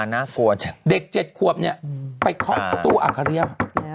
น่ากลัวจังเด็กเจ็ดขวบเนี่ยไปเคาะตู้อัครเรียม